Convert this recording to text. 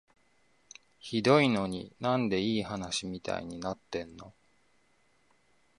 ひどいのに、なんでいい話みたいになってんの？